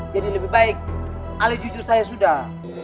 jadi lebih baik alih jujur saya sudah